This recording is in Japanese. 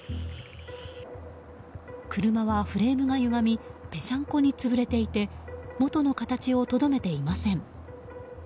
車はフレームが歪みぺしゃんこに潰れていて元の形をとどめていません。